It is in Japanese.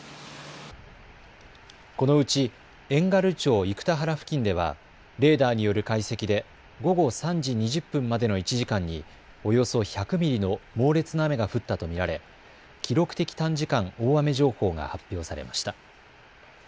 このうち遠軽町生田原付近ではレーダーによる解析で午後３時２０分までの１時間におよそ１００ミリの猛烈な雨が降ったと見られ記録的短時間大雨情報が発表されました。